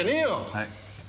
はい。